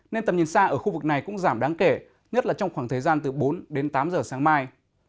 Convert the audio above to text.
nên tầm nhìn xa ở khu vực này cũng giảm đáng kể nhất là trong khoảng thời gian từ bốn đến tám giờ sáng mai